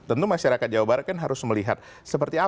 tentu masyarakat jawa barat kan harus melihat